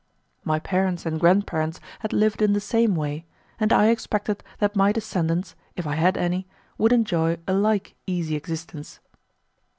My parents and grand parents had lived in the same way, and I expected that my descendants, if I had any, would enjoy a like easy existence.